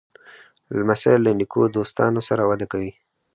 لمسی له نیکو دوستانو سره وده کوي.